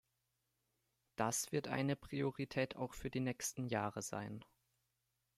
Das wird eine Priorität auch für die nächsten Jahre sein.